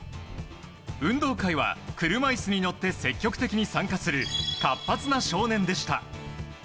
運動会は、車椅子に乗って積極的に参加する活発な少年でした。